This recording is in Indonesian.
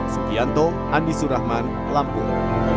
sukianto andi surahman lampung